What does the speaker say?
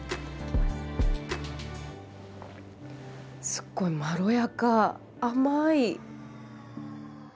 すごいまろやか甘い。